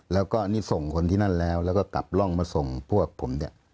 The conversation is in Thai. แล้วก็อันนี้ส่งคนที่นั่นแล้วแล้วก็กลับร่องมาส่งพวกผมเนี่ย